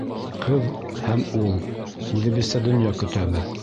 Ҡыҙ һәм ул. Үҙебеҙсә донъя көтәбеҙ.